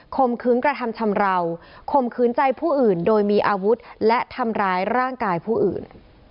มื้อกระทำชำราวข่มขืนใจผู้อื่นโดยมีอาวุธและทำร้ายร่างกายผู้อื่น